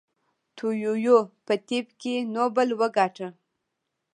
تو یویو په طب کې نوبل وګاټه.